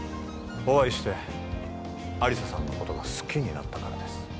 お会いして亜理紗さんのことが好きになったからです